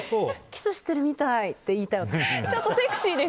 キスしているみたいって言いたい。